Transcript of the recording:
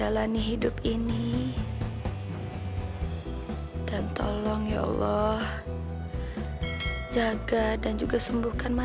tau dia makanya lu jangan macem aja